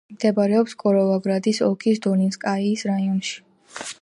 მდებარეობს კიროვოგრადის ოლქის დოლინსკაიის რაიონში.